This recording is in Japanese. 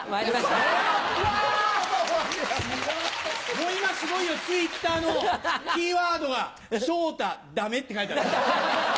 もう今すごいよＴｗｉｔｔｅｒのキーワードが「昇太ダメ」って書いてある。